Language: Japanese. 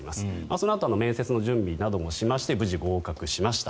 そのあと面接の準備などもしまして無事、合格しました。